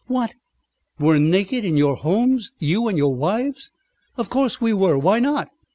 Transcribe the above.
"What, were naked in your homes! you and your wives?" "Of course we were. Why not?